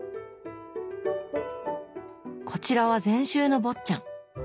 こちらは全集の「坊っちゃん」。